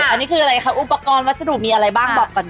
อันนี้คืออะไรคะอุปกรณ์วัสดุมีอะไรบ้างบอกก่อน